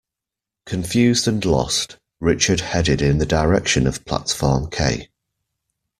Confused and lost, Richard headed in the direction of platform K.